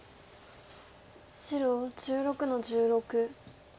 白１６の十六。